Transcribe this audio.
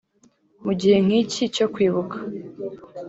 Mu gihe nk’iki cyo kwibuka